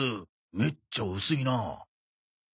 めっちゃ薄いな。